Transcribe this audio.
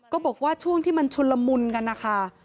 บอกว่าช่วงที่มันชุนละมุนกันนะคะ